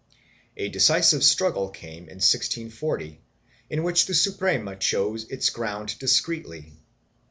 1 A decisive struggle came in 1640, in which the Suprema chose its ground discreetly.